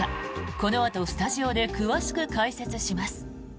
このあとスタジオで詳しく解説します。